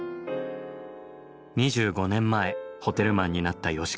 ２５年前ホテルマンになった吉川さん。